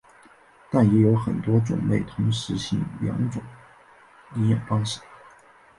但也有很多种类同时行两种营养方式。